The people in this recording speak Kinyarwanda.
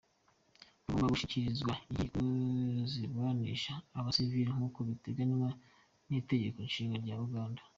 Bagombye gushyikirizwa inkiko ziburanisha abasivile nkuko biteganywa n'itegekonshinga rya Uganda.